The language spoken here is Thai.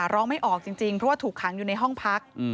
ร้องไม่ออกจริงเพราะว่าถูกขังอยู่ในห้องพัก